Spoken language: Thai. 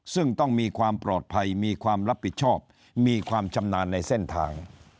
ซึ่งต้องมีความปลอดภัยมีความรับผิดชอบมีความชำนาญในเส้นทาง